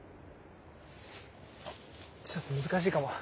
ちょっと難しいかも。